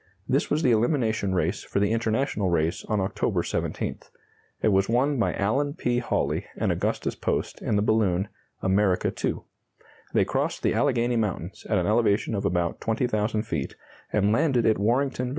This was the elimination race for the International race on October 17th. It was won by Alan P. Hawley and Augustus Post in the balloon "America II." They crossed the Alleghany Mountains at an elevation of about 20,000 feet, and landed at Warrenton, Va.